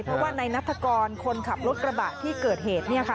เพราะว่าในนัฐกรคนขับรถกระบะที่เกิดเหตุ